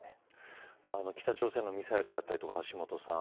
北朝鮮のミサイルだったりとか橋下さん